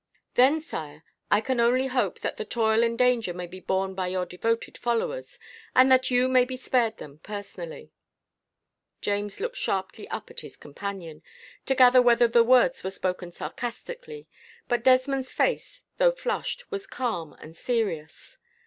"Then, Sire, I can only hope that the toil and danger may be borne by your devoted followers, and that you may be spared them, personally." James looked sharply up at his companion, to gather whether the words were spoken sarcastically, but Desmond's face, though flushed, was calm and serious.